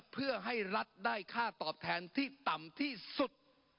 เพื่อให้รัฐได้ค่าตอบแทนที่ต่ำที่สุด